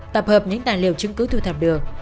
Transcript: tập hợp những tài liệu chứng cứ thu thập được